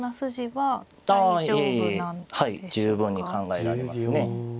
はい十分に考えられますね。